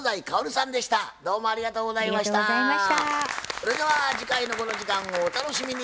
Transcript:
それでは次回のこの時間をお楽しみに。